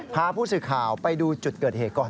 พาผู้สื่อข่าวไปดูจุดเกิดเหตุก่อน